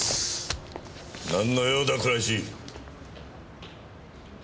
なんの用だ倉石。